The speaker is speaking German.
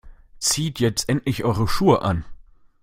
Zieht jetzt endlich eure Schuhe an.